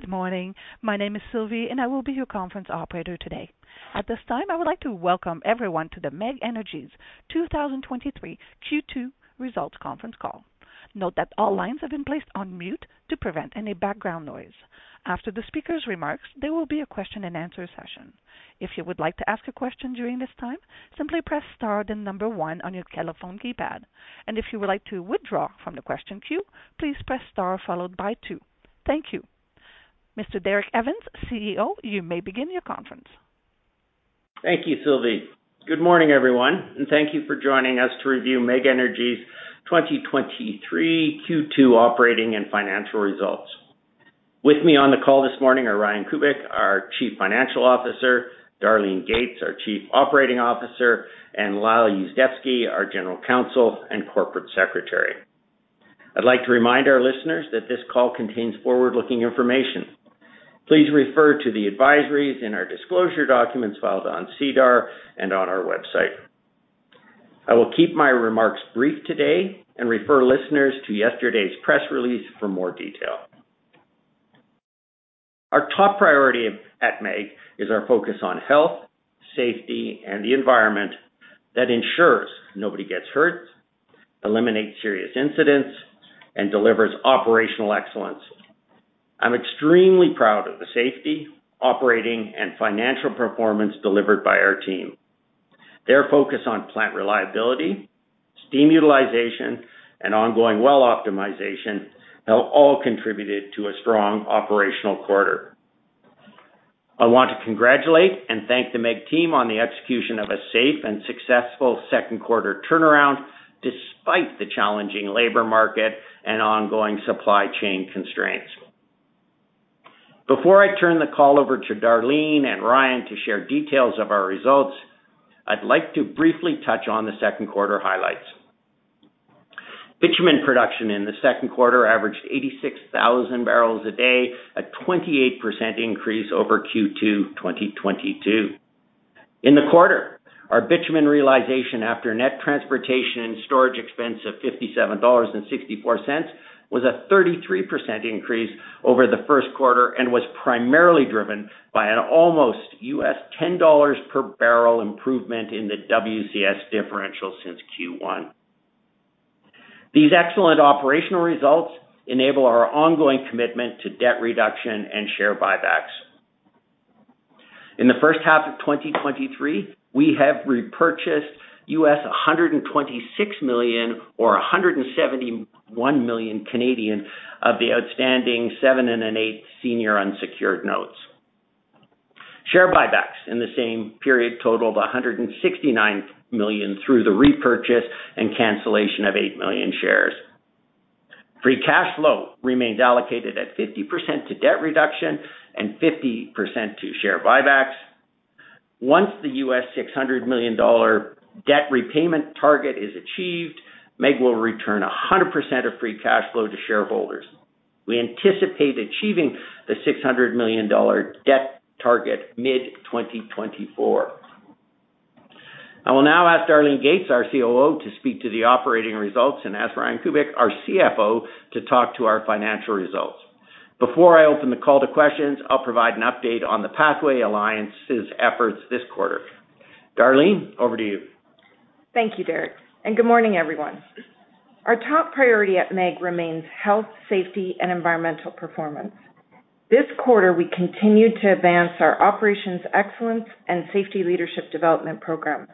Good morning. My name is Sylvie, and I will be your conference operator today. At this time, I would like to welcome everyone to the MEG Energy's 2023 Q2 results conference call. Note that all lines have been placed on mute to prevent any background noise. After the speaker's remarks, there will be a question-and-answer session. If you would like to ask a question during this time, simply press star then number one on your telephone keypad. If you would like to withdraw from the question queue, please press star followed by two. Thank you. Mr. Derek Evans, CEO, you may begin your conference. Thank you, Sylvie. Good morning, everyone, and thank you for joining us to review MEG Energy's 2023 Q2 operating and financial results. With me on the call this morning are Ryan Kubik, our Chief Financial Officer, Darlene Gates, our Chief Operating Officer, and Lyle Yuzdepski, our General Counsel and Corporate Secretary. I'd like to remind our listeners that this call contains forward-looking information. Please refer to the advisories in our disclosure documents filed on SEDAR and on our website. I will keep my remarks brief today and refer listeners to yesterday's press release for more detail. Our top priority at MEG is our focus on health, safety, and the environment that ensures nobody gets hurt, eliminates serious incidents, and delivers operational excellence. I'm extremely proud of the safety, operating, and financial performance delivered by our team. Their focus on plant reliability, steam utilization, and ongoing well optimization, help all contributed to a strong operational quarter. I want to congratulate and thank the MEG team on the execution of a safe and successful second quarter turnaround, despite the challenging labor market and ongoing supply chain constraints. Before I turn the call over to Darlene and Ryan to share details of our results, I'd like to briefly touch on the second quarter highlights. Bitumen production in the second quarter averaged 86,000 barrels/day, a 28% increase over Q2 2022. In the quarter, our bitumen realization after net transportation and storage expense of $57.64, was a 33% increase over the first quarter and was primarily driven by an almost US $10 per barrel improvement in the WCS differential since Q1. These excellent operational results enable our ongoing commitment to debt reduction and share buybacks. In the first half of 2023, we have repurchased $126 million or 171 million of the outstanding 7.125% Senior Unsecured Notes. Share buybacks in the same period totaled $169 million through the repurchase and cancellation of 8 million shares. Free cash flow remains allocated at 50% to debt reduction and 50% to share buybacks. Once the $600 million debt repayment target is achieved, MEG will return 100% of free cash flow to shareholders. We anticipate achieving the $600 million debt target mid-2024. I will now ask Darlene Gates, our COO, to speak to the operating results, and ask Ryan Kubik, our CFO, to talk to our financial results. Before I open the call to questions, I'll provide an update on the Pathways Alliance's efforts this quarter. Darlene, over to you. Thank you, Derek, and good morning, everyone. Our top priority at MEG remains health, safety, and environmental performance. This quarter, we continued to advance our operations excellence and safety leadership development program.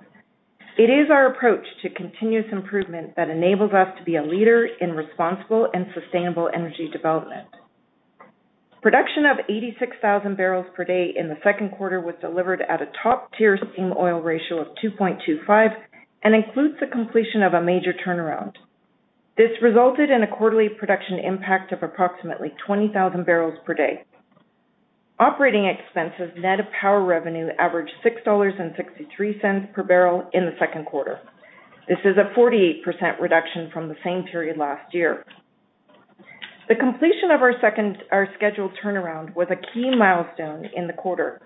It is our approach to continuous improvement that enables us to be a leader in responsible and sustainable energy development. Production of 86,000 barrels per day in the second quarter was delivered at a top-tier steam-oil ratio of 2.25 and includes the completion of a major turnaround. This resulted in a quarterly production impact of approximately 20,000 barrels per day. OpEx, net of power revenue, averaged $6.63 per barrel in the second quarter. This is a 48% reduction from the same period last year. The completion of our scheduled turnaround, was a key milestone in the quarter.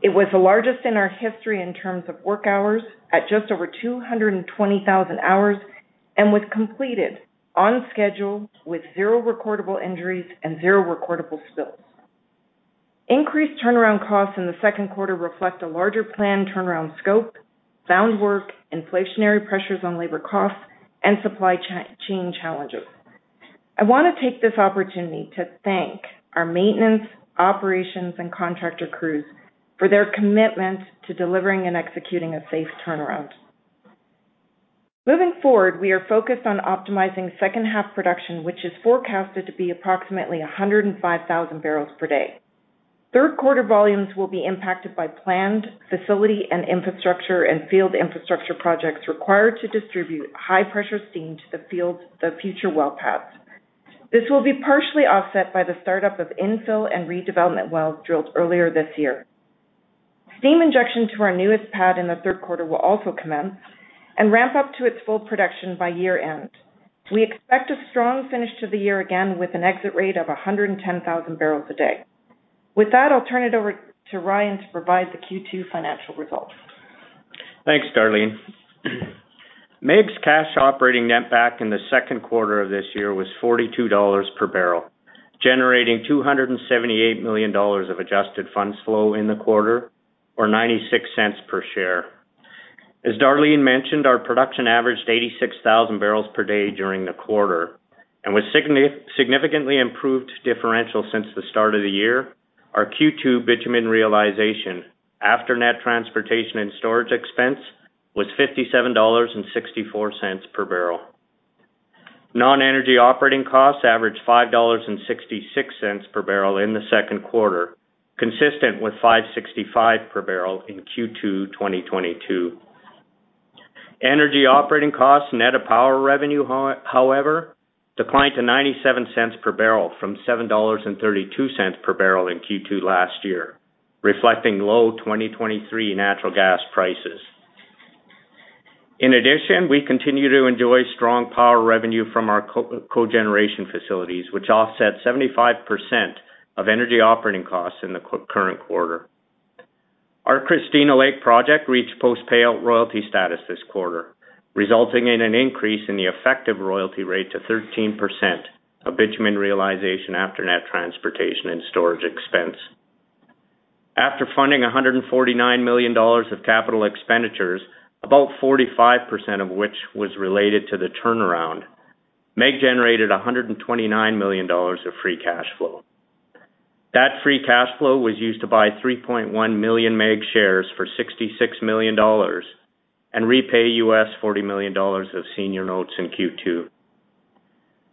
It was the largest in our history in terms of work hours, at just over 220,000 hours, and was completed on schedule with 0 recordable injuries and 0 recordable spills. Increased turnaround costs in the second quarter reflect a larger planned turnaround scope, found work, inflationary pressures on labor costs, and supply chain challenges. I want to take this opportunity to thank our maintenance, operations, and contractor crews for their commitment to delivering and executing a safe turnaround. Moving forward, we are focused on optimizing second-half production, which is forecasted to be approximately 105,000 barrels per day. Third quarter volumes will be impacted by planned facility and infrastructure and field infrastructure projects required to distribute high-pressure steam to the fields... the future well paths. This will be partially offset by the startup of infill and redevelopment wells drilled earlier this year. Steam injection to our newest pad in the third quarter will also commence and ramp up to its full production by year-end. We expect a strong finish to the year, again, with an exit rate of 110,000 barrels a day. With that, I'll turn it over to Ryan to provide the Q2 financial results. Thanks, Darlene. MEG's cash operating net back in the second quarter of this year was $42 per barrel, generating $278 million of adjusted funds flow in the quarter, or $0.96 per share. As Darlene mentioned, our production averaged 86,000 barrels per day during the quarter, with significantly improved differential since the start of the year, our Q2 bitumen realization after net transportation and storage expense, was $57.64 per barrel. Non-energy operating costs averaged $5.66 per barrel in the second quarter, consistent with $5.65 per barrel in Q2 2022. Energy operating costs net of power revenue, however, declined to $0.97 per barrel from $7.32 per barrel in Q2 last year, reflecting low 2023 natural gas prices. In addition, we continue to enjoy strong power revenue from our cogeneration facilities, which offset 75% of energy operating costs in the current quarter. Our Christina Lake project reached post-payout royalty status this quarter, resulting in an increase in the effective royalty rate to 13% of bitumen realization after net transportation and storage expense. After funding $149 million of capital expenditures, about 45% of which was related to the turnaround, MEG generated $129 million of free cash flow. That free cash flow was used to buy 3.1 million MEG shares for $66 million and repay US$40 million of senior notes in Q2.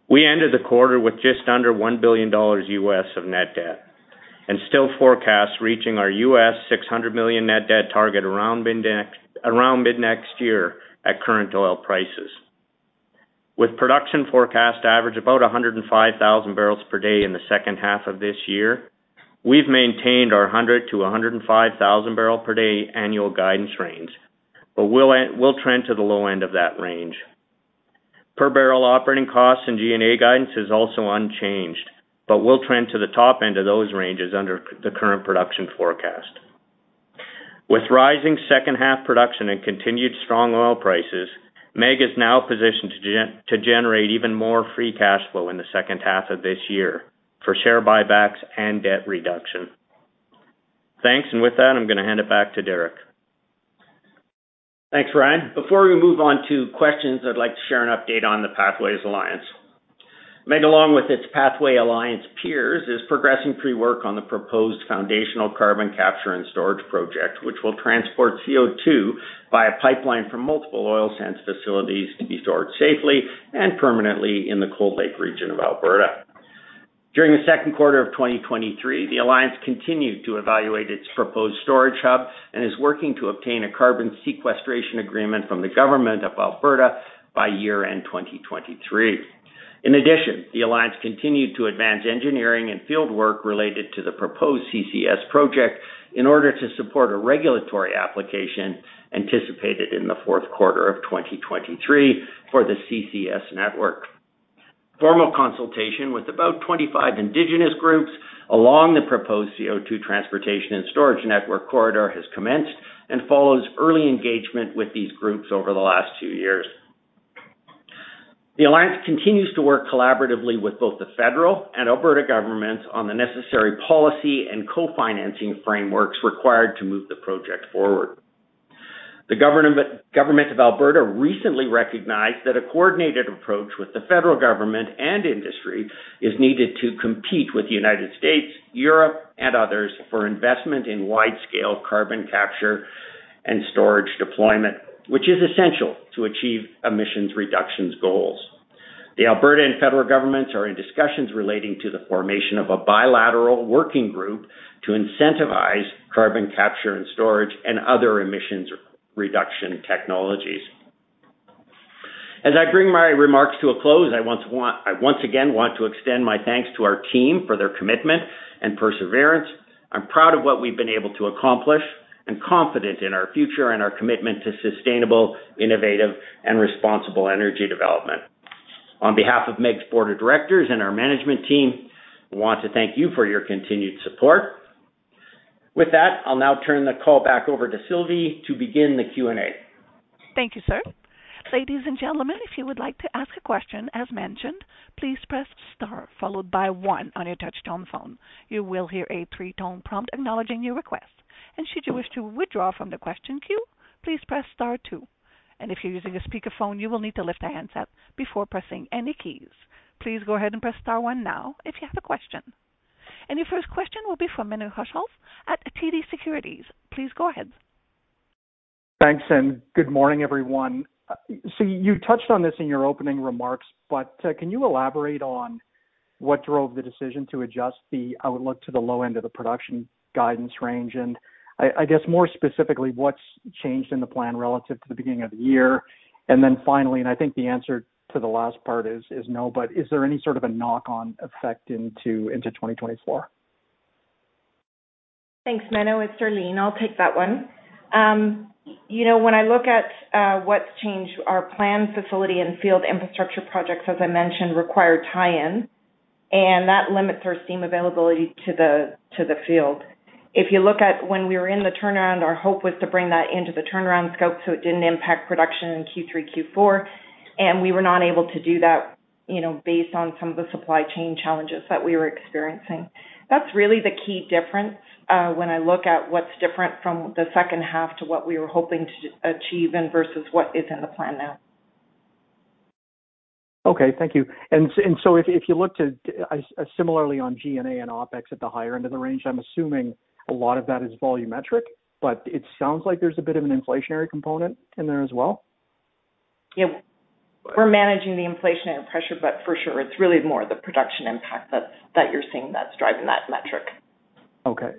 We ended the quarter with just under $1 billion of net debt and still forecast reaching our $600 million net debt target around mid-next year at current oil prices. With production forecast average about 105,000 barrels per day in the second half of this year, we've maintained our 100,000-105,000 barrel per day annual guidance range, but we'll trend to the low end of that range. Per barrel operating costs and G&A guidance is also unchanged, but will trend to the top end of those ranges under the current production forecast. With rising second-half production and continued strong oil prices, MEG is now positioned to generate even more free cash flow in the second half of this year for share buybacks and debt reduction. Thanks, with that, I'm going to hand it back to Derek. Thanks, Ryan. Before we move on to questions, I'd like to share an update on the Pathways Alliance. MEG, along with its Pathways Alliance peers, is progressing pre-work on the proposed foundational carbon capture and storage project, which will transport CO2 via pipeline from multiple oil sands facilities to be stored safely and permanently in the Cold Lake region of Alberta. During the second quarter of 2023, the alliance continued to evaluate its proposed storage hub and is working to obtain a carbon sequestration agreement from the Government of Alberta by year-end 2023. In addition, the alliance continued to advance engineering and field work related to the proposed CCS project in order to support a regulatory application anticipated in the fourth quarter of 2023 for the CCS network. Formal consultation with about 25 indigenous groups along the proposed CO2 transportation and storage network corridor has commenced and follows early engagement with these groups over the last two years. The alliance continues to work collaboratively with both the federal and Alberta governments on the necessary policy and co-financing frameworks required to move the project forward. The government of Alberta recently recognized that a coordinated approach with the federal government and industry is needed to compete with the United States, Europe, and others for investment in wide-scale carbon capture and storage deployment, which is essential to achieve emissions reductions goals. The Alberta and federal governments are in discussions relating to the formation of a bilateral working group to incentivize carbon capture and storage and other emissions reduction technologies. As I bring my remarks to a close, I once again want to extend my thanks to our team for their commitment and perseverance. I'm proud of what we've been able to accomplish and confident in our future and our commitment to sustainable, innovative, and responsible energy development. On behalf of MEG's board of directors and our management team, we want to thank you for your continued support. With that, I'll now turn the call back over to Sylvie to begin the Q&A. Thank you, sir. Ladies and gentlemen, if you would like to ask a question, as mentioned, please press star followed by one on your touch-tone phone. You will hear a 3-tone prompt acknowledging your request. Should you wish to withdraw from the question queue, please press star two. If you're using a speakerphone, you will need to lift the handset before pressing any keys. Please go ahead and press star one now if you have a question. Your first question will be from Menno Hulshof at TD Securities. Please go ahead. Thanks, good morning, everyone. You touched on this in your opening remarks, can you elaborate on what drove the decision to adjust the outlook to the low end of the production guidance range? I, I guess, more specifically, what's changed in the plan relative to the beginning of the year? Finally, I think the answer to the last part is no, but is there any sort of a knock-on effect into 2024? Thanks, Menno. It's Darlene. I'll take that one. You know, when I look at what's changed, our planned facility and field infrastructure projects, as I mentioned, require tie-in. That limits our steam availability to the, to the field. If you look at when we were in the turnaround, our hope was to bring that into the turnaround scope so it didn't impact production in Q3, Q4. We were not able to do that, you know, based on some of the supply chain challenges that we were experiencing. That's really the key difference, when I look at what's different from the second half to what we were hoping to achieve and versus what is in the plan now. Okay, thank you. If, if you look to, similarly on G&A and OpEx at the higher end of the range, I'm assuming a lot of that is volumetric, but it sounds like there's a bit of an inflationary component in there as well? Yeah, we're managing the inflationary pressure, but for sure, it's really more the production impact that you're seeing that's driving that metric. Okay.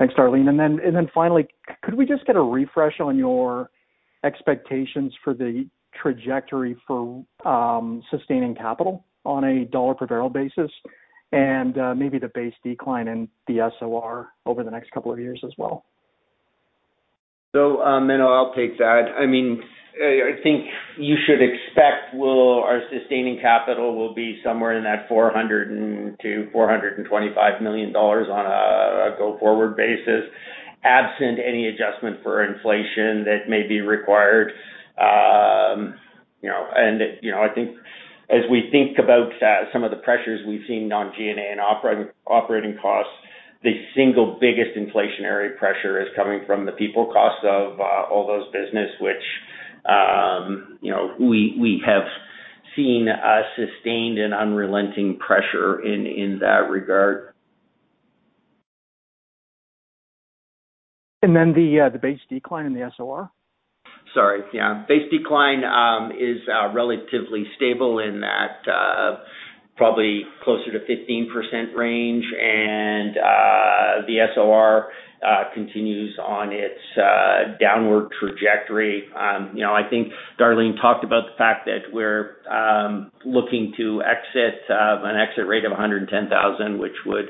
Thanks, Darlene. Then finally, could we just get a refresh on your expectations for the trajectory for sustaining capital on a dollar per barrel basis, and maybe the base decline in the SOR over the next 2 years as well? Then I'll take that. I mean, I think you should expect our sustaining capital will be somewhere in that $400 million-$425 million on a go-forward basis, absent any adjustment for inflation that may be required. You know, and, you know, I think as we think about some of the pressures we've seen on G&A and operating costs, the single biggest inflationary pressure is coming from the people costs of all those business, which, you know, we, we have seen a sustained and unrelenting pressure in that regard. Then the, the base decline in the SOR? Sorry. Yeah. Base decline is relatively stable in that, probably closer to 15% range, and the SOR continues on its downward trajectory. You know, I think Darlene talked about the fact that we're looking to exit an exit rate of 110,000, which would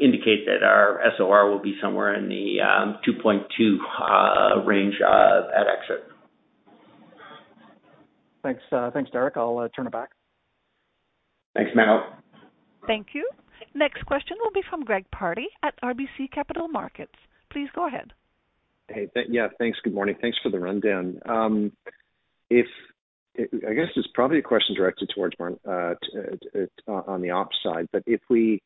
indicate that our SOR will be somewhere in the 2.2 range, at exit. Thanks. Thanks, Derek. I'll turn it back. Thanks, Menno. Thank you. Next question will be from Greg Pardy at RBC Capital Markets. Please go ahead. Hey, thank- yeah, thanks. Good morning. Thanks for the rundown. If... I, I guess this is probably a question directed towards Mark on the ops side, but if we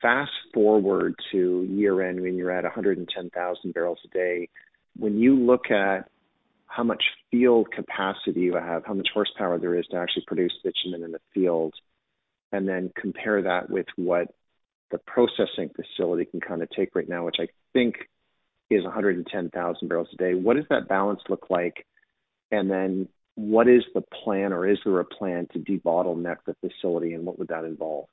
fast-forward to year-end, when you're at 110,000 barrels a day, when you look at how much field capacity you have, how much horsepower there is to actually produce bitumen in the field, and then compare that with what the processing facility can kind of take right now, which I think is 110,000 barrels a day, what does that balance look like? Then what is the plan, or is there a plan to debottleneck the facility, and what would that involve?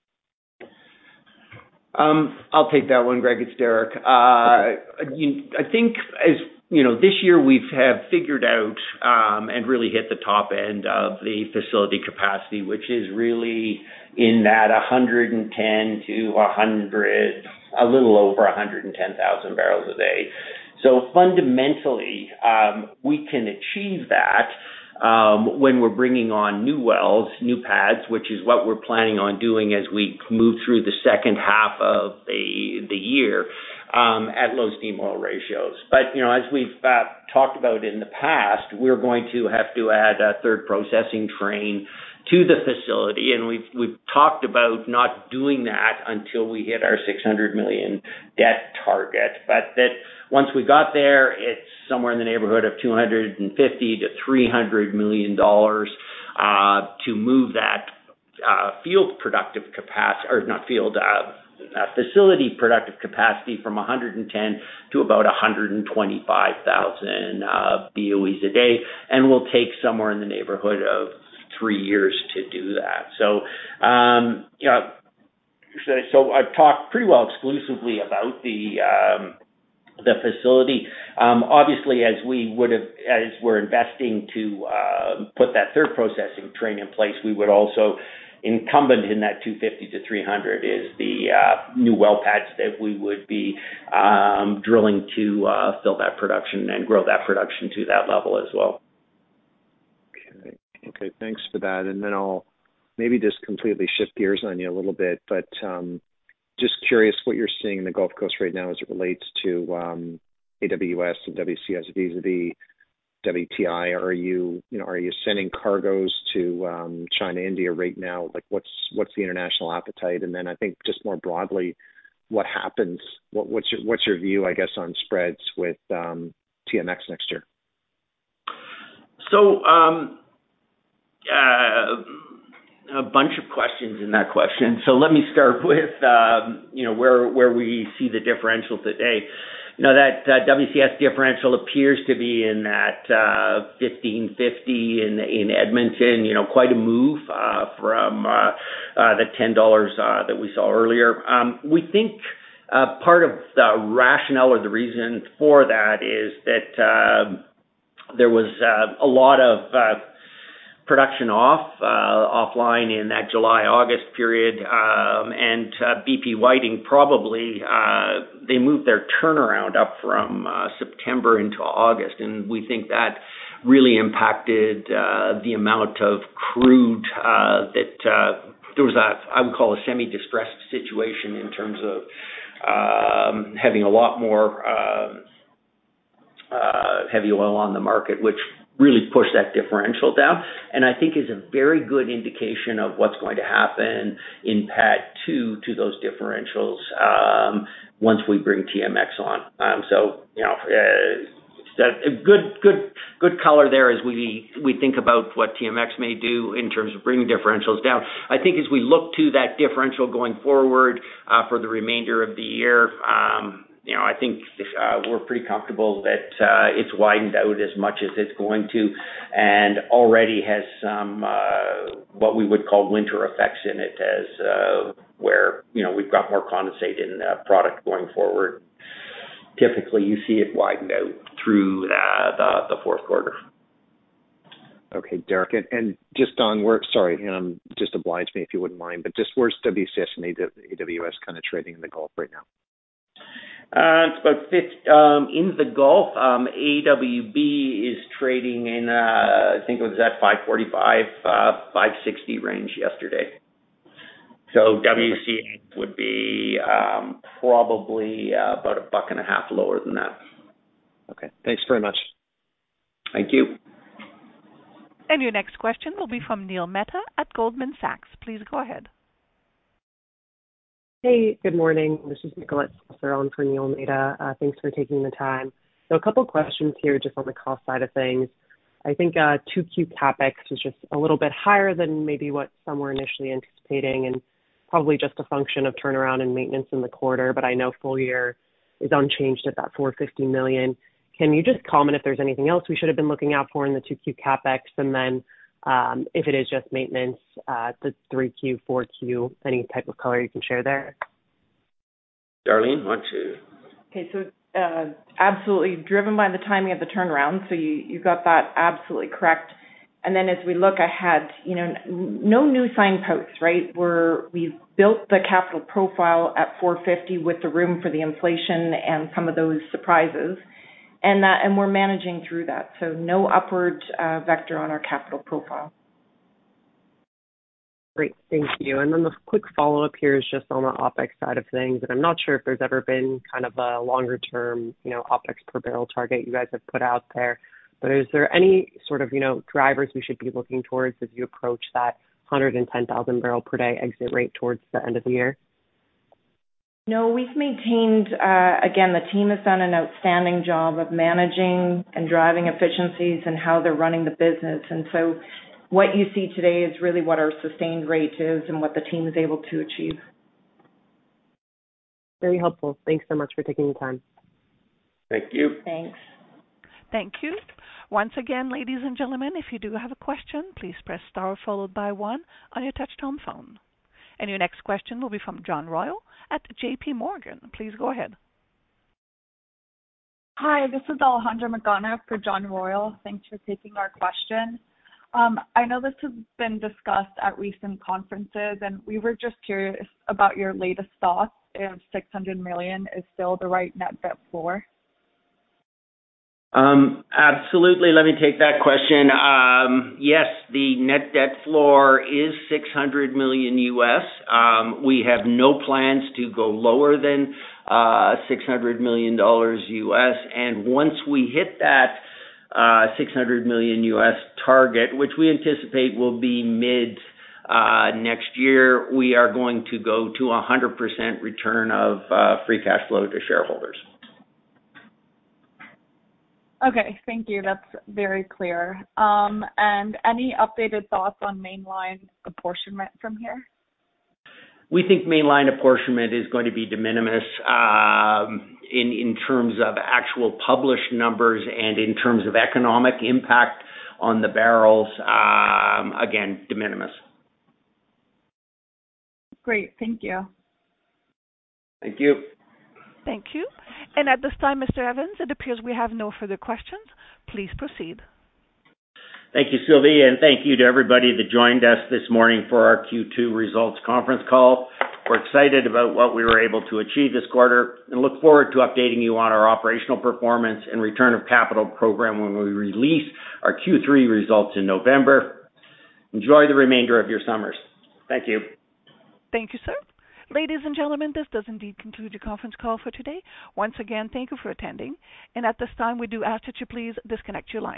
I'll take that one, Greg, it's Derek. I think as you know, this year we've have figured out, and really hit the top end of the facility capacity, which is really in that 110 to 100, a little over 110,000 barrels a day. Fundamentally, we can achieve that, when we're bringing on new wells, new pads, which is what we're planning on doing as we move through the second half of the year, at low steam-oil ratios. You know, as we've talked about in the past, we're going to have to add a third processing train to the facility, and we've, we've talked about not doing that until we hit our $600 million debt target. That once we got there, it's somewhere in the neighborhood of $250 million-$300 million to move that capac- not field, facility productive capacity from 110 to about 125,000 BOEs a day, and will take somewhere in the neighborhood of 3 years to do that. You know, I've talked pretty well exclusively about the facility. Obviously, as we would have as we're investing to put that 3rd processing train in place, we would also incumbent in that $250-$300 is the new well pads that we would be drilling to fill that production and grow that production to that level as well. Okay. Okay, thanks for that. Then I'll maybe just completely shift gears on you a little bit, but just curious what you're seeing in the Gulf Coast right now as it relates to AWB and WCS, vis-a-vis WTI. Are you, you know, are you sending cargoes to China, India right now? Like, what's, what's the international appetite? Then I think just more broadly, what's your view, I guess, on spreads with TMX next year? A bunch of questions in that question. Let me start with, you know, where, where we see the differential today. Now that WCS differential appears to be in that $15.50 in Edmonton, you know, quite a move from the $10 that we saw earlier. We think part of the rationale or the reason for that is that there was a lot of production off offline in that July-August period. BP Whiting probably, they moved their turnaround up from September into August, and we think that really impacted the amount of crude that there was a, I would call a semi-distressed situation in terms of having a lot more heavy oil on the market, which really pushed that differential down. I think is a very good indication of what's going to happen in PADD 2 to those differentials, once we bring TMX on. You know, so good, good, good color there as we, we think about what TMX may do in terms of bringing differentials down. I think as we look to that differential going forward, for the remainder of the year, you know, I think, we're pretty comfortable that, it's widened out as much as it's going to, and already has some, what we would call winter effects in it, as, where, you know, we've got more condensate in the product going forward. Typically, you see it widen out through the, the, the fourth quarter. Okay, Derek, just oblige me, if you wouldn't mind, but just where's WCS and AWB kind of trading in the Gulf right now? It's about fifth in the Gulf. AWB is trading in, I think it was at $5.45-$5.60 range yesterday. WCS would be probably about $1.50 lower than that. Okay, thanks very much. Thank you. Your next question will be from Neil Mehta at Goldman Sachs. Please go ahead. Hey, good morning. This is Nicolette Slusser in for Neil Mehta. Thanks for taking the time. A couple of questions here, just on the cost side of things. I think, 2Q CapEx is just a little bit higher than maybe what some were initially anticipating, and probably just a function of turnaround and maintenance in the quarter. I know full year is unchanged at that $450 million. Can you just comment if there's anything else we should have been looking out for in the 2Q CapEx? If it is just maintenance, the 3Q, 4Q, any type of color you can share there? Darlene, why don't you? Okay, absolutely driven by the timing of the turnaround. You, you got that absolutely correct. Then as we look ahead, you know, no new signposts, right? We've built the capital profile at $450 with the room for the inflation and some of those surprises. And we're managing through that. No upward vector on our capital profile. Great, thank you. The quick follow-up here is just on the OpEx side of things, and I'm not sure if there's ever been kind of a longer-term, you know, OpEx per barrel target you guys have put out there. Is there any sort of, you know, drivers we should be looking towards as you approach that 110,000 barrel per day exit rate towards the end of the year? No, we've maintained. Again, the team has done an outstanding job of managing and driving efficiencies and how they're running the business. So what you see today is really what our sustained rate is and what the team is able to achieve. Very helpful. Thanks so much for taking the time. Thank you. Thanks. Thank you. Once again, ladies and gentlemen, if you do have a question, please press star followed by one on your touch-tone phone. Your next question will be from John Royall at J.P. Morgan. Please go ahead. Hi, this is Alejandra Magana for John Royall.Thanks for taking our question. I know this has been discussed at recent conferences, and we were just curious about your latest thoughts if $600 million is still the right net debt floor? Absolutely. Let me take that question. Yes, the net debt floor is $600 million. We have no plans to go lower than $600 million. Once we hit that $600 million target, which we anticipate will be mid next year, we are going to go to a 100% return of free cash flow to shareholders. Okay, thank you. That's very clear. Any updated thoughts on mainline apportionment from here? We think mainline apportionment is going to be de minimis, in, in terms of actual published numbers and in terms of economic impact on the barrels, again, de minimis. Great, thank you. Thank you. Thank you. At this time, Mr. Evans, it appears we have no further questions. Please proceed. Thank you, Sylvie, and thank you to everybody that joined us this morning for our Q2 results conference call. We're excited about what we were able to achieve this quarter and look forward to updating you on our operational performance and return of capital program when we release our Q3 results in November. Enjoy the remainder of your summers. Thank you. Thank you, sir. Ladies and gentlemen, this does indeed conclude the conference call for today. Once again, thank you for attending, and at this time, we do ask that you please disconnect your line.